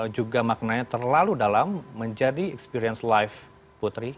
juga maknanya terlalu dalam menjadi experience life putri